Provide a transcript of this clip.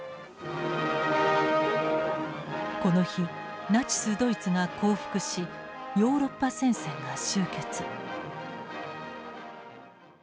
この日ナチス・ドイツが降伏しヨーロッパ戦線が終結。